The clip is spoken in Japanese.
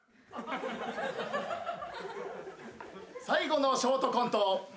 最後のショートコント。